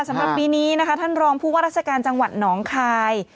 สำหรับปีนี้นะคะท่านรองผู้ว่าราชการจังหวัดหนองคาย